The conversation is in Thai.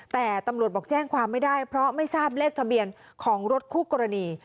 แต่ตำรวจบอกแจ้งความไม่ได้เพราะไม่ทราบเลขทะเบียนของรถคู่กรณี